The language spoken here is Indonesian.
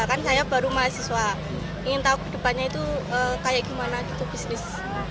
kan saya baru mahasiswa ingin tahu ke depannya itu kayak gimana gitu bisnis